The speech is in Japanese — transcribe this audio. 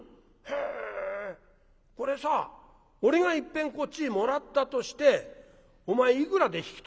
へえこれさ俺がいっぺんこっちへもらったとしてお前いくらで引き取る？」。